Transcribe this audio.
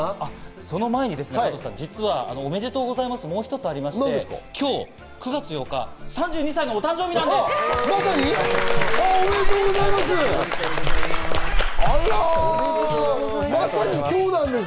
その前におめでとうございますがもう一つあって今日９月８日３２歳の誕生日なんです。